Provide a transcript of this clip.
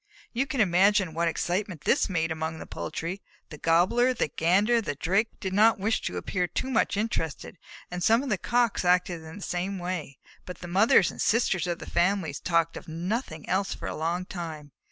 You can imagine what excitement this made among the poultry. The Gobbler, the Gander, and the Drake did not wish to appear too much interested, and some of the Cocks acted in the same way, but the mothers and sisters of the families talked of nothing else for a long time.